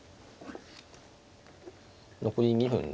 残り２分ですか。